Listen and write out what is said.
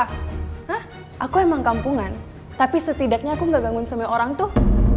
hah aku emang kampungan tapi setidaknya aku gak bangun semua orang tuh